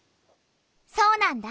そうなんだ。